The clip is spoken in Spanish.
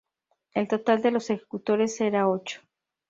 El total de los ejecutores era ocho.